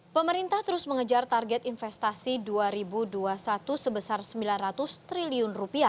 pemerintah terus mengejar target investasi dua ribu dua puluh satu sebesar rp sembilan ratus triliun